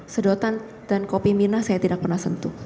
sedotan dan kopi mirna saya tidak pernah sentuh